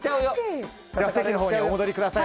席のほうにお戻りください。